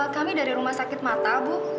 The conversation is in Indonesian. kami dari rumah sakit mata bu